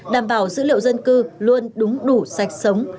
đảm bảo dữ liệu dân cư luôn đúng đủ sạch sống